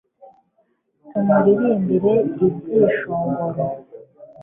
tumuririmbire ibyishongoro